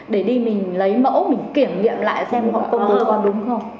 để đi mình lấy mẫu mình kiểm nghiệm lại xem công bố còn đúng không